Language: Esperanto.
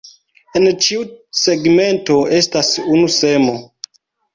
En ĉiu segmento estas unu semo.